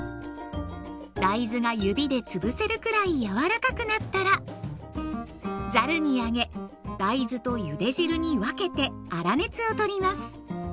大豆が指で潰せるくらい柔らかくなったらざるにあげ大豆とゆで汁に分けて粗熱を取ります。